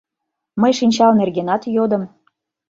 — Мый шинчал нергенат йодым.